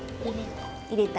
入れたい。